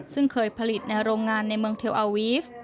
ซึ่งเคยผลิตในโรงงานในเมืองเทลอาวีฟ